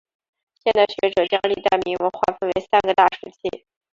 现代学者将历代铭文划分为三个大时期。